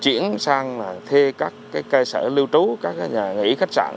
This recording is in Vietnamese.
chuyển sang thuê các cơ sở lưu trú các nhà nghỉ khách sạn